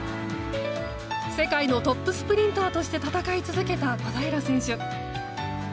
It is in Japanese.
世界のトップスプリンターとして戦い続けた小平選手。